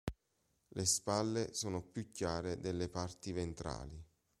Le spalle sono più chiare delle parti ventrali.